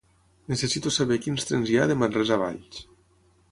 Necessito saber quins trens hi ha de Manresa a Valls.